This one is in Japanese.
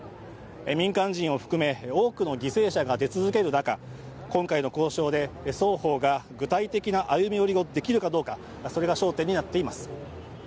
民間人を含め、多くの犠牲者が出続ける中、今回の交渉で双方が具体的な歩み寄りができるかどうか、それが焦点になっています。